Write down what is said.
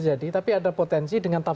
kemudian potensi orang menuduh